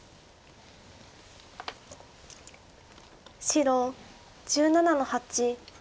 白１７の八。